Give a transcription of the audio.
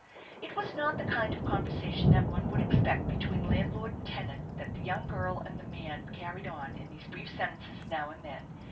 It was not the kind of conversation that one would ex pect between landlord and tenant that the young girl and the man carried on in these brief sentences now and then.